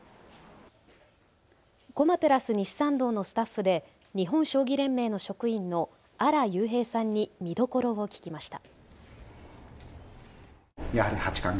駒テラス西参道のスタッフで日本将棋連盟の職員の荒雄平さんに見どころを聞きました。